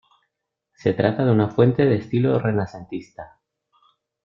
Se trata de una fuente de estilo renacentista.